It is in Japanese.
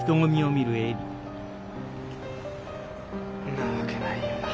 んなわけないよな。